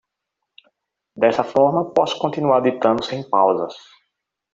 Dessa forma, posso continuar ditando sem pausas.